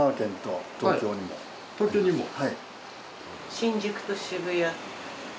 新宿と渋谷と。